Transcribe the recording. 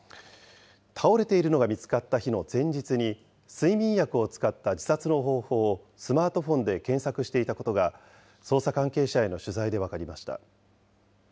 倒れているのが見つかった日の前日に、睡眠薬を使った自殺の方法をスマートフォンで検索していたことが、捜査関係者への取材で分かりました。